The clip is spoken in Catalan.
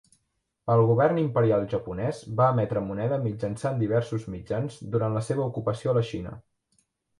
El Govern Imperial Japonès va emetre moneda mitjançant diversos mitjans durant la seva ocupació a la Xina.